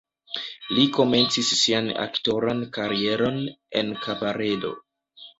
Li komencis sian aktoran karieron en kabaredo.